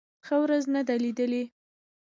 ښه ورځ نه ده لېدلې.